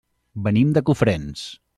Venim de Cofrents.